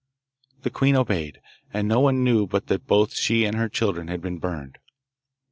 The queen obeyed, and no one knew but that both she and her children had been burned.